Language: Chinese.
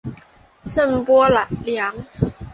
圣波良。